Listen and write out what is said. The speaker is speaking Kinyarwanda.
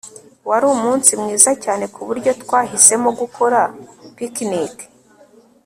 Wari umunsi mwiza cyane kuburyo twahisemo gukora picnic